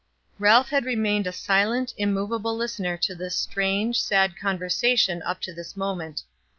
Ralph had remained a silent, immovable listener to this strange, sad conversation up to this moment.